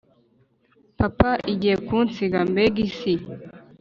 papa igiye kunsiga mbega isi!"